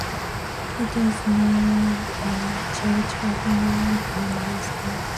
It is now a Church of England primary school.